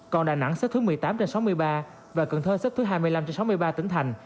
còn đà nẵng xếp thứ một mươi tám trên sáu mươi ba và cần thơ xếp thứ hai mươi năm trên sáu mươi ba tỉnh thành